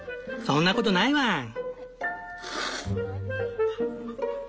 そんなことないワン！